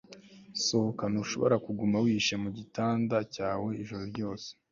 Sohoka Ntushobora kuguma wihishe munsi yigitanda cyawe ijoro ryose